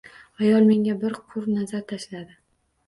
Ayol menga bir qur nazar tashladi